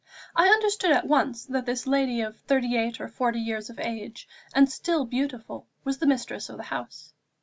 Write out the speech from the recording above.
I understood at once that this lady of thirty eight or forty years of age, and still beautiful, was the mistress of the house.